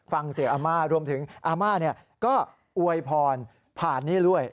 ฟังเสียงอาม่ารวมถึงอาม่าก็อวยพรผ่านนี้ด้วย